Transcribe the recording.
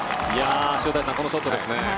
塩谷さん、このショットですね。